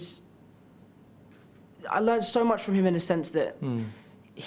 saya telah belajar banyak dari dia dalam sifat bahwa